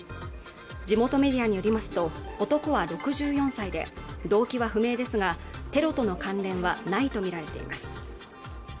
地元メディアによりますと男は６４歳で動機は不明ですがテロとの関連はないと見られています